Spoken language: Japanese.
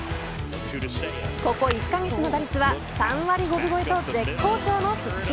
ここ１カ月の打率は３割５分超えと絶好調の鈴木。